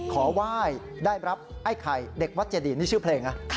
ขอไหว้ได้รับไอ้ไข่เด็กวัดเจดีนี่ชื่อเพลงนะ